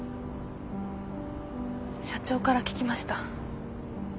社長から聞きました。